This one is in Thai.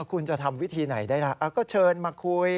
คุณจะทำวิธีไหนได้นะก็เชิญมาคุย